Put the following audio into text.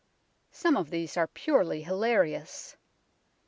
Some of these are purely hilarious.